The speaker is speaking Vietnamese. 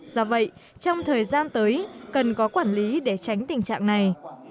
do vậy trong thời gian tới cần có quản lý để tránh tình trạng này